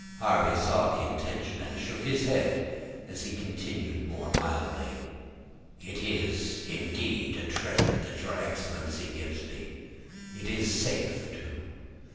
Harvey saw the intention, and shook his head, as he continued more mildly,— "It is, indeed, a treasure that your excellency gives me: it is safe, too.